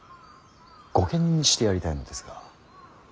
御家人にしてやりたいのですが。